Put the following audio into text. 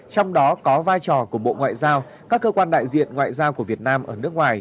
trong đó có vai trò của bộ ngoại giao các cơ quan đại diện ngoại giao của việt nam ở nước ngoài